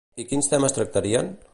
I quins temes tractarien?